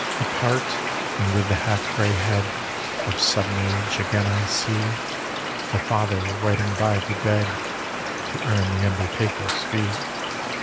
Apart, and with the half grey head Of sudden age, again I see The father writing by the dead To earn the undertaker's fee.